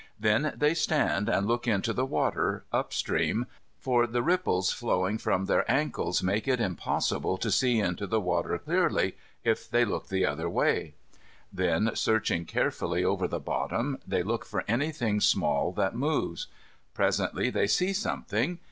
Then they stand and look into the water, up stream, for the ripples flowing from their ankles make it impossible to see into the water clearly if they look the other way. Then, searching carefully over the bottom, they look for anything small that moves. Presently they see something.